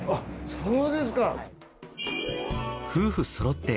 そうですか。